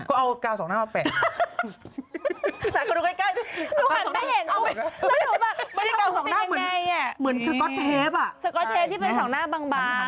ก็เอากาวสองหน้าเอาแปะ